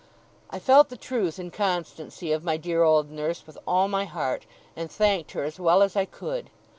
I felt the truth and constancy of my dear old nurse, with all my heart, and thanked her as well as I could.